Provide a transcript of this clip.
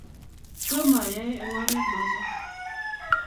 tomo ayoe eng' oret noto